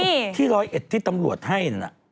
แต่ก็ที่รอยเอ็ดที่ตำรวจให้